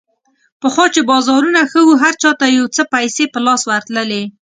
پخوا چې بازارونه ښه وو، هر چا ته یو څه پیسې په لاس ورتللې.